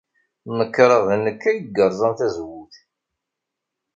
Nekṛeɣ d nekk ay yerẓan tazewwut.